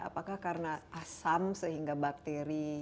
apakah karena asam sehingga bakteri